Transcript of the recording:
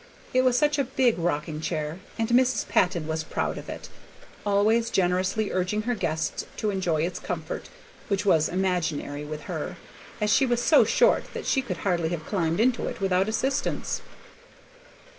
It was such a big rocking chair, and Mrs. Patton was proud of it; always generously urging her guests to enjoy its comfort, which was imaginary with her, as she was so short that she could hardly have climbed into it without assistance.